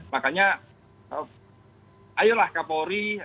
makanya ayolah kapolri